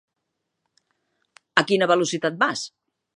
A quina velocitat vas?